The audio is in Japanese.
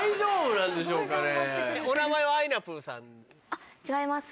あっ違います。